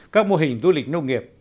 các mô hình du lịch nông nghiệp